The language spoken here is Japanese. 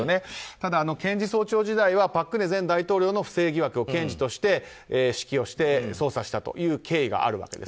ただ、検事総長時代は朴槿惠前大統領の不正疑惑を検事として指揮をして捜査したという経緯があるわけです。